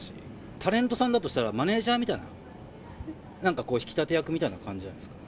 タレントさんだとしたら、マネージャーみたいな、なんかこう、引き立て役みたいな感じじゃないですか。